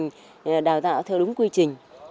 chúng tôi tiến hành đào tạo theo đúng quy trình